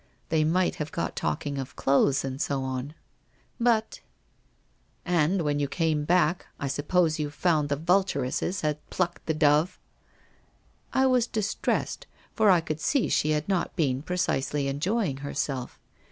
They might have got talking of clothes, and so on. But '' And when you came back, I suppose you found the vulturesses had plucked the dove !'' I was distressed, for I could see she had not been precisely enjoying herself.